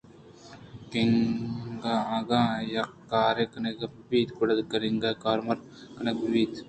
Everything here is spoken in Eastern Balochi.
"کنگ" اگاں یکے کارے کنگ ءَ بہ بیت گڑا کنَگ کارمرد کنَگ بیت۔